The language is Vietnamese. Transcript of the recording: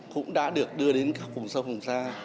cũng đã được đưa đến các phùng sâu phùng xa